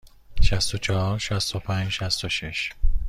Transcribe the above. شصت و چهار، شصت و پنج، شصت و شش.